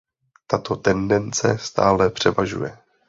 Tato tendence stále převažuje.